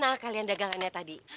apa kalian dagangannya tadi